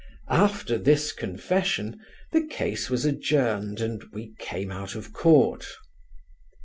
After this confession the case was adjourned and we came out of court.